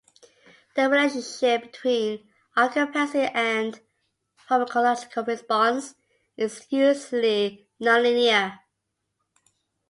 The relationship between occupancy and pharmacological response is usually non-linear.